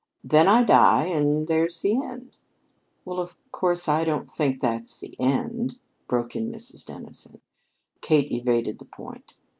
Then I die and there's the end." "Well, of course I don't think that's the end," broke in Mrs. Dennison. Kate evaded the point.